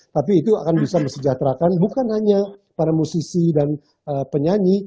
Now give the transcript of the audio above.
tapi itu akan bisa mesejahterakan bukan hanya para musisi dan penyanyi